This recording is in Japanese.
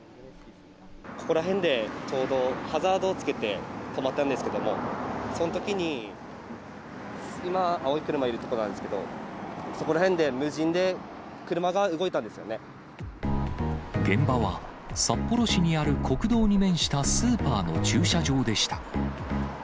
ここら辺で、ちょうどハザードをつけて止まったんですけれども、そのときに、今、青い車いるとこなんですけど、そこら辺で、無人で車が動いたん現場は、札幌市にある国道に面したスーパーの駐車場でした。